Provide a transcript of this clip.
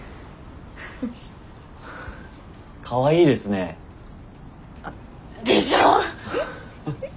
かわいいですね。でしょう？